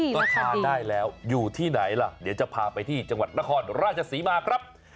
ก็ทานได้แล้วอยู่ที่ไหนล่ะเดี๋ยวจะพาไปที่จังหวัดนครราชศรีมาครับ